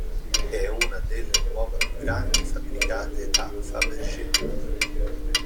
È una delle uova più grandi fabbricate da Fabergé.